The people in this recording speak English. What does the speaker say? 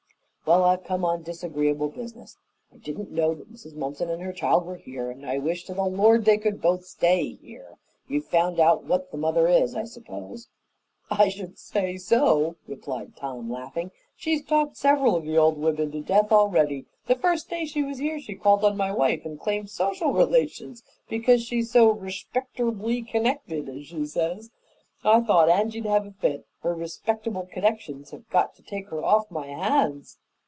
"Well, I've come on disagreeable business. I didn't know that Mrs. Mumpson and her child were here, and I wish to the Lord they could both stay here! You've found out what the mother is, I suppose?" "I should say so," replied Tom, laughing. "She's talked several of the old women to death already. The first day she was here she called on my wife and claimed social relations, because she's so 'respecterbly connected,' as she says. I thought Angy'd have a fit. Her respectable connections have got to take her off my hands."